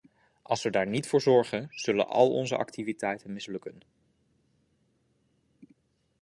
Als we daar niet voor zorgen, zullen al onze activiteiten mislukken.